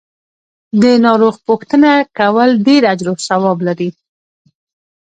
د ناروغ پو ښتنه کول ډیر اجر او ثواب لری .